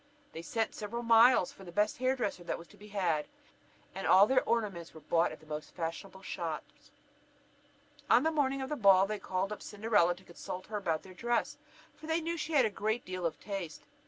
They sent several miles for the best hair dresser that was to be had, and all their ornaments were bought at the most fashionable shops. On the morning of the ball, they called up Cinderella to consult with her about their dress, for they knew she had a great deal of taste.